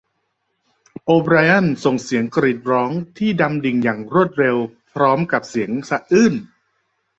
โอไบรอันส่งเสียงกรีดร้องที่ดำดิ่งอย่างรวดเร็วพร้อมกับเสียงสะอื้น